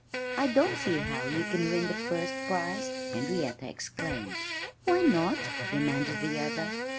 "I don't see how you can win the first prize!" Henrietta exclaimed. "Why not?" demanded the other.